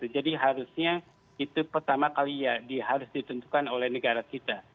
jadi harusnya itu pertama kali ya harus ditentukan oleh negara kita